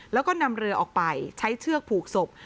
แล้วก็นำเรือออกไปใช้เชือกผูกศพ